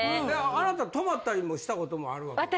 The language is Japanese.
あなた泊まったりもしたこともあるわけですか？